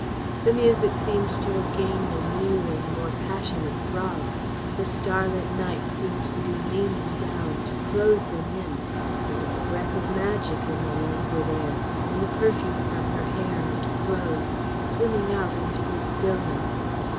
The music seemed to have gained a new and more passionate throb. The starlit night seemed to be leaning down, to close them in. There was a breath of magic in the languid air, in the perfume from her hair and clothes, swimming out into the stillness.